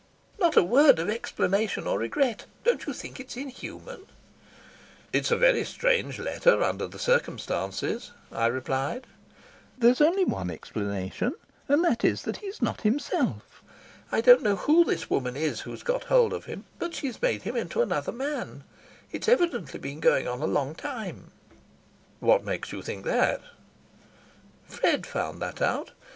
"Not a word of explanation or regret. Don't you think it's inhuman?" "It's a very strange letter under the circumstances," I replied. "There's only one explanation, and that is that he's not himself. I don't know who this woman is who's got hold of him, but she's made him into another man. It's evidently been going on a long time." "What makes you think that?" "Fred found that out.